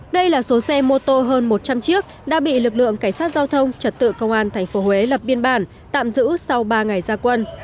đây là số xe mô tô hơn một trăm linh chiếc đã bị lực lượng cảnh sát giao thông trật tự công an tp huế lập biên bản tạm giữ sau ba ngày gia quân